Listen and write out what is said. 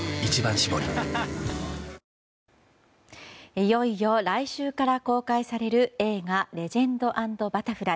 いよいよ来週から公開される映画「レジェンド＆バタフライ」。